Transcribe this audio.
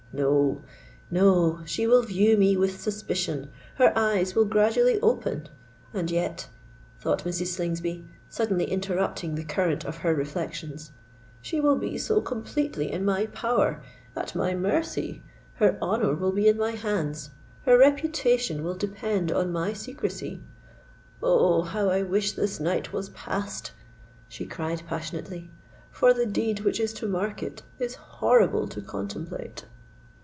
No—no: she will view me with suspicion—her eyes will gradually open——And yet," thought Mrs. Slingsby, suddenly interrupting the current of her reflections, "she will be so completely in my power—at my mercy,—her honour will be in my hands—her reputation will depend on my secresy——Oh! how I wish this night was past!" she cried passionately: "for the deed which is to mark it, is horrible to contemplate!"